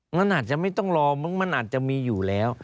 มันอาจจะไม่ต้องรอมึงมันอาจจะมีอยู่แล้ว